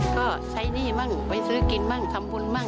ก็ใช้หนี้บ้างไปซื้อกินบ้างทำบุญบ้าง